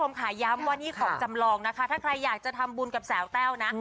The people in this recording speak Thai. ค่ะย้ำว่านี่ของจำลองนะคะถ้าใครอยากจะทำบุญกับสาวแต้วนะ